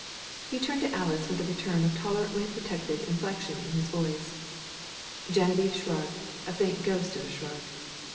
He turned to Alys with a return of tolerantly protective inflection in his voice. Geneviève shrugged, a faint ghost of a shrug.